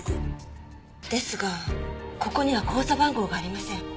ですがここには口座番号がありません。